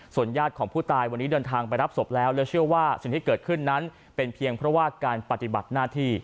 ญาติของผู้ตายวันนี้เดินทางไปรับศพแล้วแล้วเชื่อว่าสิ่งที่เกิดขึ้นนั้นเป็นเพียงเพราะว่าการปฏิบัติหน้าที่